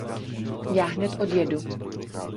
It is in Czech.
Já hned odjedu.